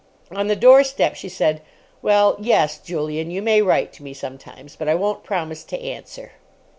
On the doorstep she said, "Well, yes—Julian—you may write to me—sometimes. But I won't promise to answer."